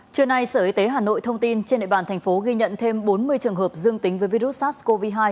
trưa nay sở y tế hà nội thông tin trên nệ bàn thành phố ghi nhận thêm bốn mươi trường hợp dương tính với virus sars cov hai